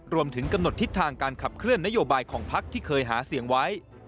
รวมถึงกำหนดทิศทางการขับเคลื่อนนโยบายของพักที่เคยหาเสียงไว้